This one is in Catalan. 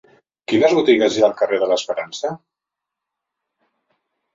Quines botigues hi ha al carrer de l'Esperança?